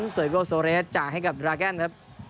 เซอร์โกโซเรสจ่ายให้กับดราแกนครับ